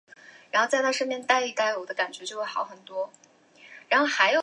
顺天府乡试第十六名。